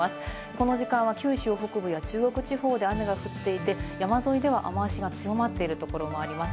この時間は九州北部や中国地方で雨が降っていて、山沿いでは雨脚が強まっているところもあります。